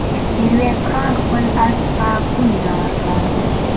ميرويس خان خپل آس ته پونده ورکړه.